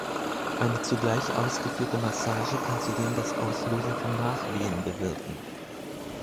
Eine zugleich ausgeführte Massage kann zudem das Auslösen von Nachwehen bewirken.